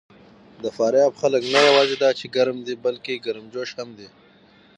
د فاریاب خلک نه یواځې دا چې ګرم دي، بلکې ګرمجوش هم دي.